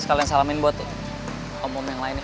sekalian salamin buat om om yang lainnya